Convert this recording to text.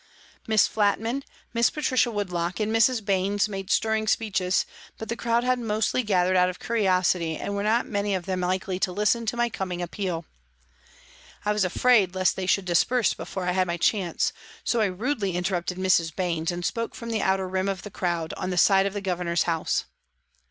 Miss Flatman, Miss Patricia Woodlock and Mrs. Baines made stirring speeches, but the crowd had mostly gathered out of curiosity and were not many of them likely to listen to my coming appeal. I was afraid lest they should disperse before I had my chance, so I rudely interrupted Mrs. Baines and spoke from the outer rim of the crowd, on the side of the Governor's house.